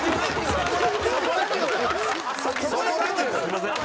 すいません。